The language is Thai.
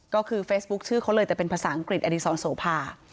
ก็คือเฟซบุ๊คชื่อเขาเลยแต่เป็นภาษาอังกฤษอดีศรโสภา